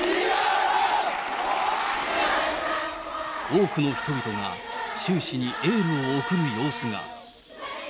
多くの人々が、習氏にエールを送る様子が。